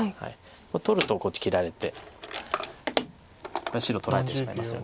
取るとこっち切られてこれ白取られてしまいますよね。